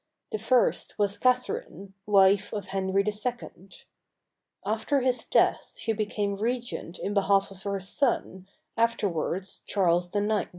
The first was Catharine, wife of Henri II. After his death she became regent in behalf of her son, afterwards Charles IX.